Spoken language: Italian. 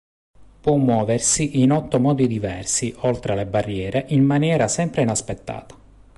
Può muoversi in otto modi diversi, oltre le barriere, in maniera sempre inaspettata...".